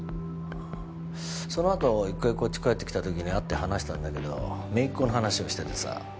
そのあと一回こっち帰ってきた時に会って話したんだけど姪っ子の話をしててさ。